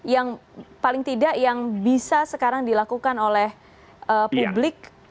yang paling tidak yang bisa sekarang dilakukan oleh publik